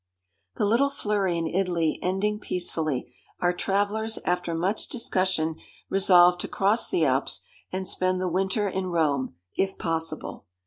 The little flurry in Italy ending peacefully, our travellers after much discussion resolved to cross the Alps and spend the winter in Rome, if possible.